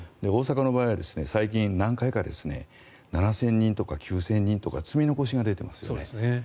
大阪の場合は最近、何回か７０００人とか９０００人とか積み残しが出てますよね。